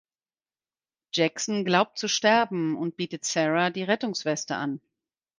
Jackson glaubt zu sterben und bietet Sara die Rettungsweste an.